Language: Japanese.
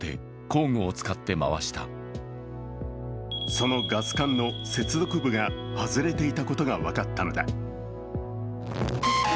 そのガス管の接続部が外れていたことが分かったのだ。